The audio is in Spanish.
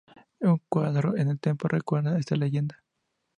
Un cuadro en el templo recuerda esta leyenda.